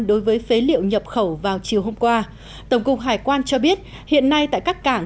đối với phế liệu nhập khẩu vào chiều hôm qua tổng cục hải quan cho biết hiện nay tại các cảng